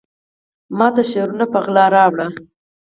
ماته شعرونه په غلا راوړي